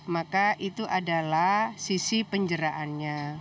maka itu adalah sisi penjeraannya